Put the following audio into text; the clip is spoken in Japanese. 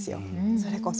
それこそ。